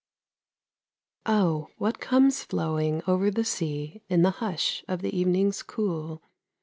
Oh, what comes flowing over the sea In the hush of the evening's cool?